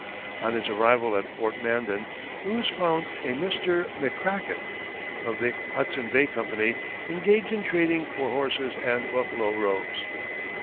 On his arrival at Fort Mandan, Lewis found a Mr. McCracken, of the Hudson Bay Company, engaged in trading for horses and buffalo robes.